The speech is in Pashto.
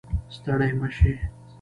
ستړې مه شې